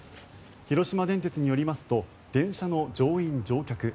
広島電鉄によりますと電車の乗員・乗客